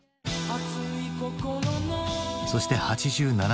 そして８７年